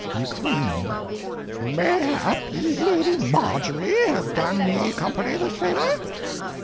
Ye Queene. Mayhap ye Lady Margery hath done ye companie this favor?